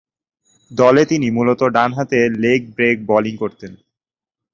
দলে তিনি মূলতঃ ডানহাতে লেগ ব্রেক বোলিং করতেন।